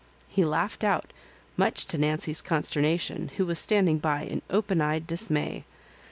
He laughed out, much to Nancy's consterna tion, who was standing by in open eyed dismay.